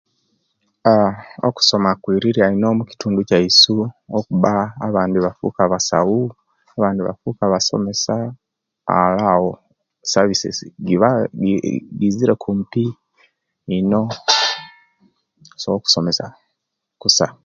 Aa okusoma kuirirya ino omukitundu kiyaisu okuba abandi bafuka baswo abandi bafuka basomesa ale awo esavices jiba kumpi ino so okusomesa kusa